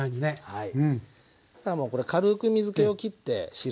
はい。